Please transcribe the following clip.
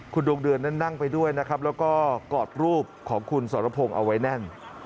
คุณดวงเดือนนั้นนั่งไปด้วยนะครับแล้วก็กอดรูปของคุณสรพงศ์เอาไว้แน่น